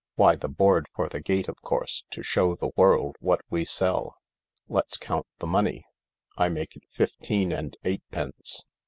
Why, the board for the gate, of course, to show the world what we sell. Let's count the money. I make it fifteen and eight pence."